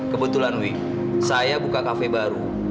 kebetulan wi saya buka kafe baru